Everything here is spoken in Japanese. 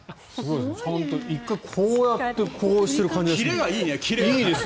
１回、こうやってこうしてる感じが。